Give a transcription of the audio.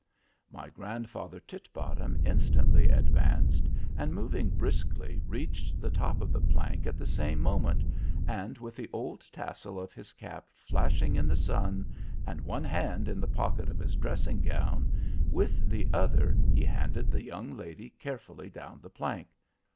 My grandfather Titbottom instantly advanced, and moving briskly reached the top of the plank at the same moment, and with the old tassel of his cap flashing in the sun, and one hand in the pocket of his dressing gown, with the other he handed the young lady carefully down the plank.